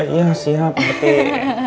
iya siap bete